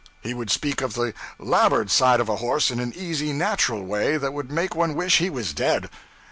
He would speak of the 'labboard' side of a horse in an easy, natural way that would make one wish he was dead.